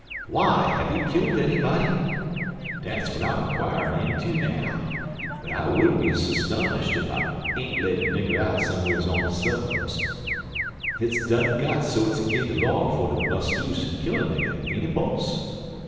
"Why, have you killed anybody?" "Dat's w'at's I'm a 'quirin' inter now, but I wouldn't be sustonished ef I ain't laid a nigger out some'rs on de subbubs. Hit's done got so it's agin de law fer ter bus' loose an' kill a nigger, ain't it, boss?"